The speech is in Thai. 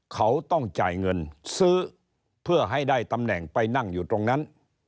เขาต้องจ่ายเงินซื้อเพื่อให้ได้ตำแหน่งไปนั่งอยู่ตรงนั้น